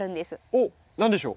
おっ何でしょう？